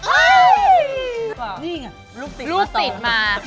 นี่ไงลูกติดมา